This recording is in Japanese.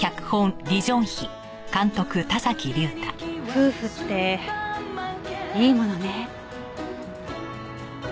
夫婦っていいものね。